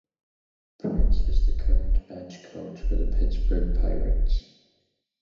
Prince is the current Bench Coach for the Pittsburgh Pirates.